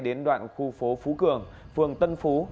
đến đoạn khu phố phú cường phường tân phú